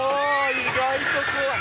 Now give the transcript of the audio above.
意外と怖い！